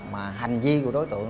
mà hành vi của đối tượng